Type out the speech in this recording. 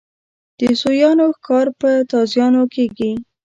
د سویانو ښکار په تازیانو کېږي.